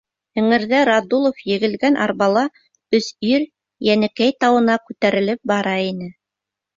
Эңерҙә Радулов егелгән арбала өс ир Йәнекәй тауына күтәрелеп бара ине.